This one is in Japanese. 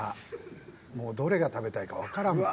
もうどれが食べたいかわからんもん。